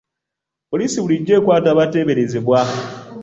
Poliisi bulijjo ekwata abateeberezebwa.